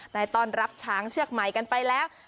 ได้ต้อนรับช้างเชือกใหม่กันไปแล้ว